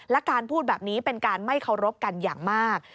และการพูดแบบนี้เป็นการไม่เคารพกันอย่างมาก